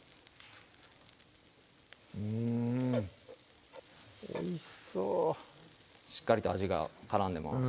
うんおいしそうしっかりと味が絡んでます